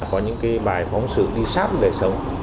có những cái bài phóng sự đi sát đời sống